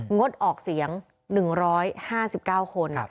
งดออกเสียง๑๕๙คน